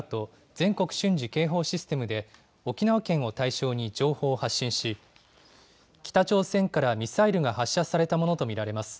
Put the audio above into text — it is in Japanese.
・全国瞬時警報システムで沖縄県を対象に情報を発信し、北朝鮮からミサイルが発射されたものと見られます。